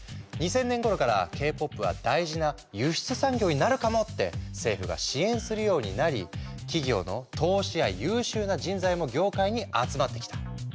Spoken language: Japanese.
２０００年頃からＫ−ＰＯＰは「大事な輸出産業になるかも！」って政府が支援するようになり企業の投資や優秀な人材も業界に集まってきた。